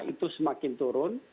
itu semakin turun